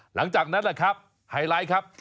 หลังจากนั้นแหละครับไฮไลท์ครับ